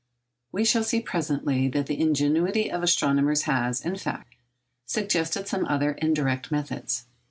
We shall see presently that the ingenuity of astronomers has, in fact, suggested some other indirect methods.